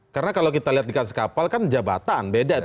karena kalau kita lihat di atas kapal kan jabatan beda